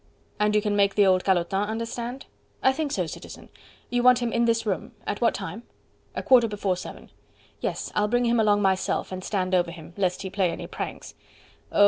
"And you can make the old calotin understand?" "I think so, Citizen.... You want him in this room.... At what time?" "A quarter before seven." "Yes. I'll bring him along myself, and stand over him, lest he play any pranks." "Oh!